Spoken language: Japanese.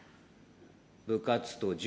部活と塾。